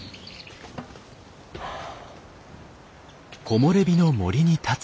はあ。